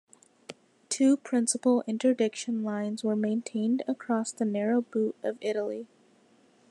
Two principal interdiction lines were maintained across the narrow boot of Italy.